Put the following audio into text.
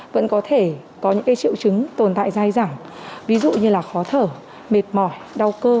vẫn có thể có những triệu chứng tồn tại dài dẳng ví dụ như là khó thở mệt mỏi đau cơ